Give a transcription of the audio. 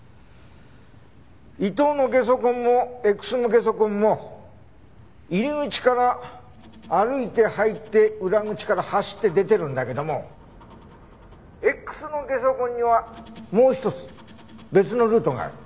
伊藤のゲソ痕もＸのゲソ痕も入り口から歩いて入って裏口から走って出てるんだけどもＸのゲソ痕にはもう一つ別のルートがある。